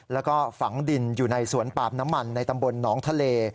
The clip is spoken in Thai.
แล้วก็ฝังดินอยู่ในสวนปามน้ำมันในตำบลหนองทะเล